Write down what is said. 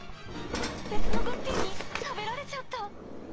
別のグッピーに食べられちゃった。